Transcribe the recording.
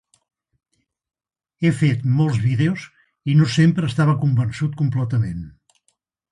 He fet molts vídeos i no sempre estava convençut completament.